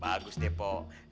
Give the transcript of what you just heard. bagus deh pok